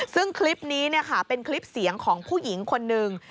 ซึ่งคลิปนี้เป็นคลิปเสียงของผู้หญิงคนหนึ่ง